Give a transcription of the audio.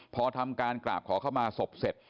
พอทำการกราบขอเข้ามาศพเสร็จ